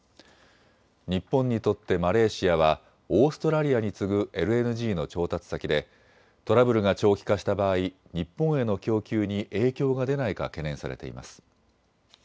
日本にとってマレーシアはオーストラリアに次ぐＬＮＧの調達先でトラブルが長期化した場合、日本への供給に影響が出ないか懸念されています。